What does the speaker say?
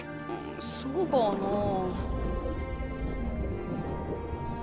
そうかなあ。